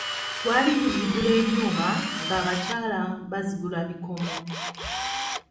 Twali tuzigula ebyuma, Abakyala nga bazigula bikomo.